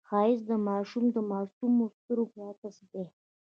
ښایست د ماشوم د معصومو سترګو عکس دی